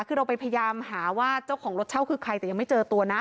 คือเราไปพยายามหาว่าเจ้าของรถเช่าคือใครแต่ยังไม่เจอตัวนะ